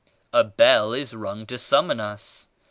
A bell is rung to sum mon us.